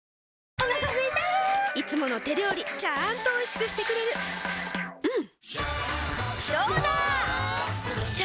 お腹すいたいつもの手料理ちゃんとおいしくしてくれるジューうんどうだわ！